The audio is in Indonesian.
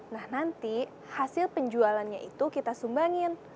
nah nanti hasil perubahan itu bisa dikumpulkan